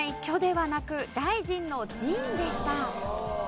「巨」ではなく大臣の「臣」でした。